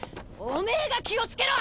おめぇが気をつけろ！